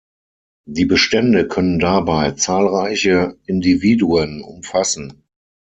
Die Bestände können dabei zahlreiche Individuen umfassen.